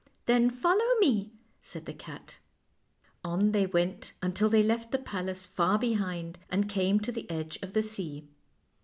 " Then follow me," said the cat. On they went until they left the palace far behind and came to the edge of the sea.